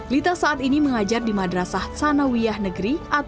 lita saat ini mengajar di madrasah sanawiyah negeri